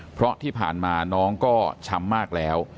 เพราะที่ผ่านมาน้องก็ช้ำมากแล้ว